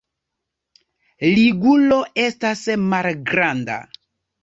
Ligulo estas malgranda.